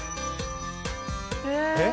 えっ？